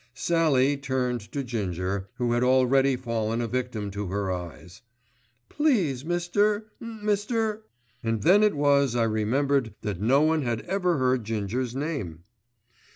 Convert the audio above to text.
Sallie turned to Ginger, who had already fallen a victim to her eyes. "Please Mr.—Mr.—" And then it was I remembered that no one had ever heard Ginger's name.